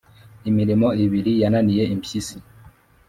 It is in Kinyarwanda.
Imirimo ibiri yananiye impyisi.